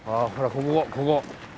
ここここ。